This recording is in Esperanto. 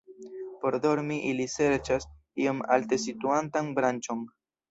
Por dormi ili serĉas iom alte situantan branĉon.